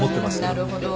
なるほど。